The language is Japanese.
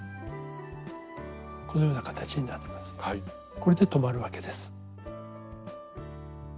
これで留まるわけです。